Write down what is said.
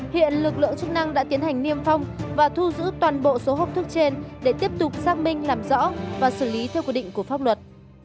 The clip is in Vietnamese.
hiện lực lượng chức năng đã tiến hành niêm phong và thu giữ toàn bộ số hộp thức trên để tiếp tục xác minh làm rõ và xử lý theo quy định của pháp luật